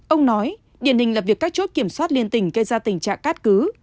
ông nói điển hình là việc các chốt kiểm soát liên tình gây ra tình trạng cát cứ